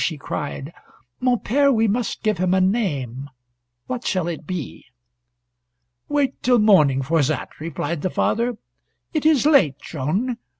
she cried. "Mon pere, we must give him a name. What shall it be?" "Wait till morning for that," replied the father. "It is late, Joan.